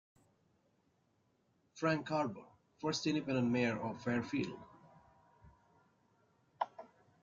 Frank Carbone, first independent mayor of Fairfield.